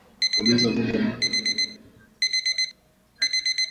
Ujenzi wa bomba la mafuta kutoka Uganda hadi Tanzania upo matatani